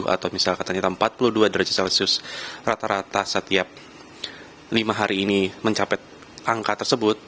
atau misalnya katanya empat puluh dua derajat celcius rata rata setiap lima hari ini mencapai angka tersebut